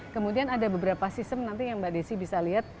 kemudian ada beberapa sistem nanti yang mbak desi bisa lihat